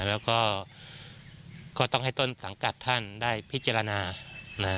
แล้วก็ก็ต้องให้ต้นสังกัดท่านได้พิจารณานะ